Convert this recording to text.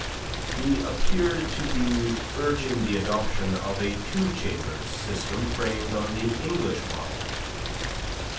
He appeared to be urging the adoption of a two chambers system framed on the English model.